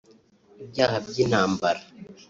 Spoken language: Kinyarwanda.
ibyaha by’intambara